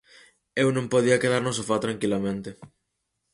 Eu non podía quedar no sofá tranquilamente.